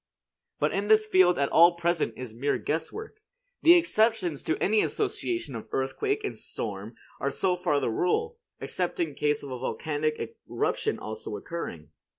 But in this field all at present is mere guess work. The exceptions to any association of earthquake and storm are so far the rule; except in case of a volcanic eruption also occurring.